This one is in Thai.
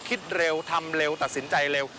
คิดเร็วทำเร็วตัดสินใจเร็ว